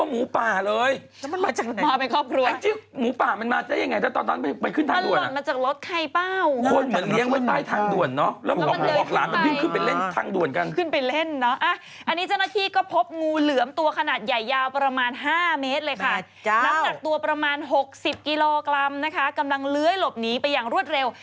แม่เจ้าน้ำหนักตัวประมาณ๖๐กิโลกรัมนะคะกำลังเลื้อยหลบหนีไปอย่างรวดเร็ว